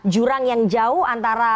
jurang yang jauh antara